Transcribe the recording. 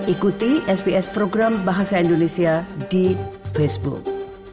ikuti sps program bahasa indonesia di facebook